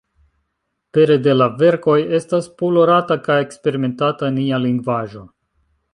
Pere de la verkoj estas polurata kaj eksperimentata nia lingvaĵo.